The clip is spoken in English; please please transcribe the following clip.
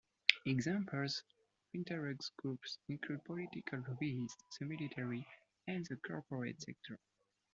Examples of interest groups include political lobbyists, the military, and the corporate sector.